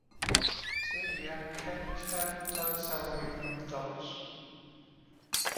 Celia kept her thoughts away from those.